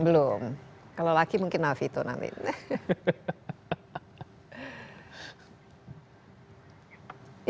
belum kalau laki mungkin afi itu namanya